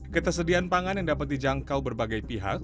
ketersediaan pangan yang dapat dijangkau berbagai pihak